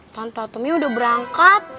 tante atemi udah berangkat